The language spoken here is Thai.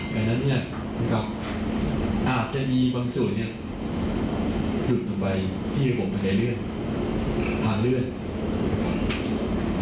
ดังนั้นก็จะมีบางส่วนที่มีกลุ่มท่านเรื่อง